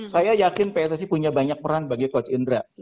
saya yakin pssi punya banyak peran bagi coach indra